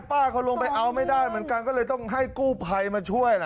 ป้าเขาลงไปเอาไม่ได้เหมือนกันก็เลยต้องให้กู้ภัยมาช่วยล่ะ